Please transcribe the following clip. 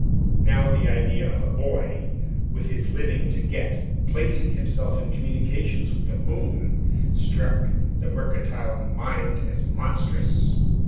Now, the idea of a boy, with his living to get, placing himself in communication with the Moon, struck the mercantile mind as monstrous.